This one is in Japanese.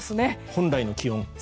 本来の気温。